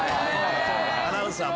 アナウンサー。